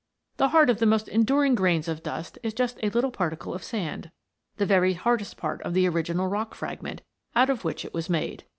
The heart of the most enduring grains of dust is a little particle of sand, the very hardest part of the original rock fragment out of which it was made.